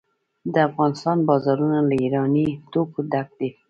د افغانستان بازارونه له ایراني توکو ډک دي.